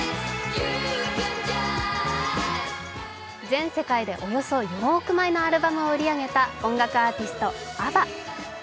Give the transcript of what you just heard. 全世界でおよそ４億枚のアルバムを売り上げた音楽アーティスト、ＡＢＢＡ。